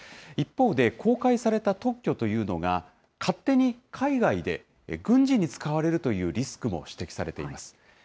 一方で、公開された特許というのが、勝手に海外で軍事に使われるというリスクも指摘されています。